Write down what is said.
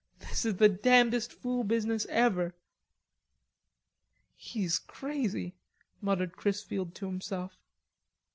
"This is the damnedest fool business ever...." "He's crazy," muttered Chrisfield to himself.